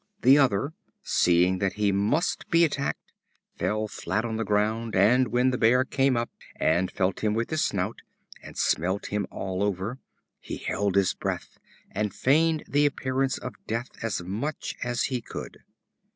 The other, seeing that he must be attacked, fell flat on the ground, and when the Bear came up and felt him with his snout, and smelt him all over, he held his breath, and feigned the appearance of death as much as he could.